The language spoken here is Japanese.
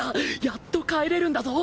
やっと帰れるんだぞ